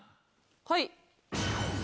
はい。